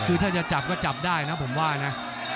คือถ้าจะจับก็จับได้นะผมว่านะ